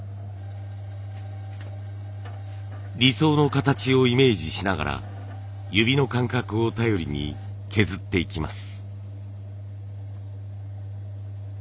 理想の形をイメージしながら指の感覚を頼りに削っていきます。